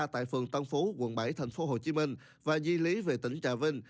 tại phường tân phú quận bảy tp hcm và di lý về tỉnh trà vinh